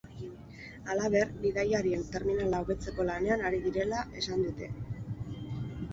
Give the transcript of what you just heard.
Halaber, bidaiarien terminala hobetzeko lanean ari direla esan dute.